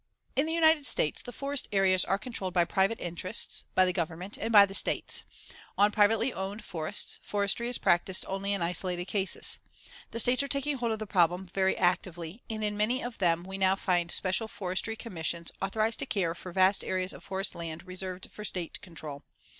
In the United States, the forest areas are controlled by private interests, by the Government and by the States. On privately owned forests, Forestry is practiced only in isolated cases. The States are taking hold of the problem very actively and in many of them we now find special Forestry Commissions authorized to care for vast areas of forest land reserved for State control.